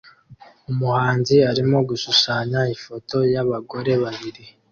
Umuhanzi arimo gushushanya ifoto yabagore babiri